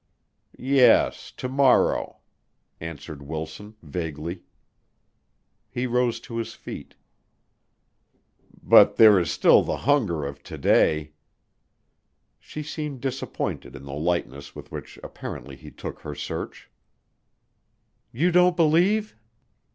"Yes, to morrow," answered Wilson, vaguely. He rose to his feet. "But there is still the hunger of to day." She seemed disappointed in the lightness with which apparently he took her search. "You don't believe?"